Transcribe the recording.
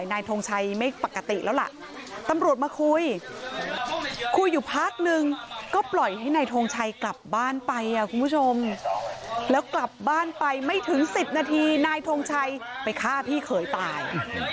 อาจจะเป็นเธอก็ได้นะที่ตาย